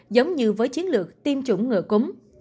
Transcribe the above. giống như với chiến lược tiêm chủng ngựa cúng